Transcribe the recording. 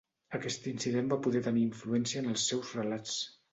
Aquest incident va poder tenir influència en els seus relats.